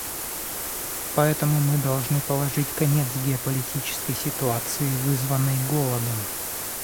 Поэтому мы должны положить конец геополитической ситуации, вызванной голодом.